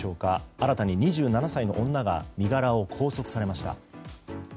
新たに２７歳の女が身柄を拘束されました。